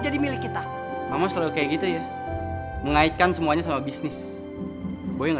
aduh boy kita mau kemana sih